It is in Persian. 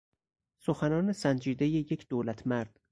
سخنان سنجیدهی یک دولتمرد